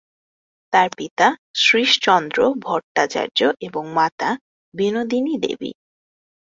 তার পিতা শ্রীশচন্দ্র ভট্টাচার্য এবং মাতা বিনোদিনী দেবী।